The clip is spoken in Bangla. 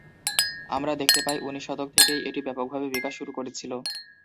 আমরা দেখতে পাই উনিশ শতক থেকেই এটি ব্যাপকভাবে বিকাশ শুরু করেছিল।